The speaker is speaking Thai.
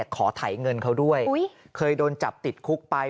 ขอถ่ายเงินเขาด้วยเคยโดนจับติดคุกไป